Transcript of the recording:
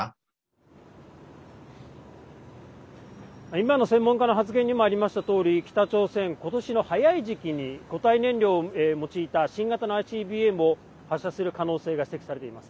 今の専門家の発言にもありましたとおり北朝鮮、今年の早い時期に固体燃料を用いた新型のＩＣＢＭを発射する可能性が指摘されています。